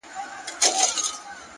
هره لاسته راوړنه د باور مېوه ده!